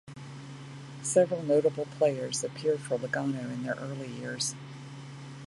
Several notable players appeared for Legnano in their early years.